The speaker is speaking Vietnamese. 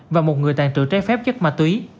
và một người tàn trữ trái phép chất ma túy